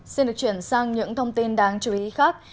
xin được chuyển sang những thông tin đáng chú ý khác